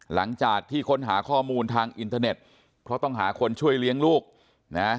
หลังจากที่ค้นหาข้อมูลทางอินเทอร์เน็ตเพราะต้องหาคนช่วยเลี้ยงลูกนะ